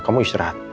kamu istirahat ya